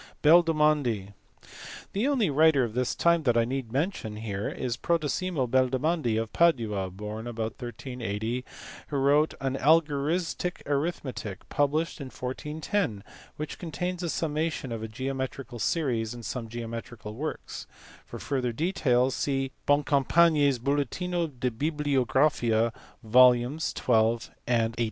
Beldomandi. The only writer of this time that I need mention here is Prodocimo Beldomandi of Padua, born about 1380, who wrote an algoristic arithmetic, published in 1410, which contains the summation of a geometrical series; and some geometrical works : for further details see Boncompagni s Bulletino di bibliogrqfia, vols. xn., xvm.